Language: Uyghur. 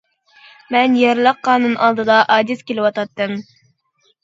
مەن يەرلىك قانۇن ئالدىدا ئاجىز كېلىۋاتاتتىم.